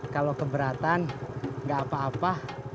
kalau keberatan nggak apa apa